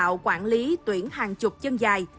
tạo quản lý tuyển hàng chục chân dài